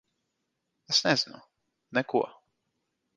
Es nezinu. Neko.